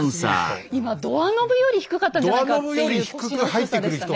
今ドアノブより低かったんじゃないかっていう腰の低さでしたね。